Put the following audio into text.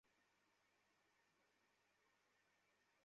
তবে প্রথম দিন একটি বন্ডও লেনদেন হয়নি।